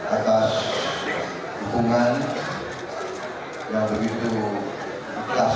atas dukungan yang begitu keras